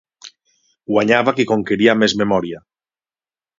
Guanyava qui conqueria més memòria.